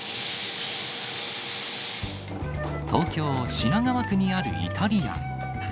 東京・品川区にあるイタリアン。